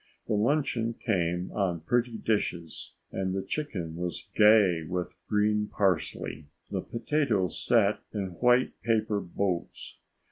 The luncheon came on pretty dishes and the chicken was gay with green parsley. The potatoes sat in white paper boats.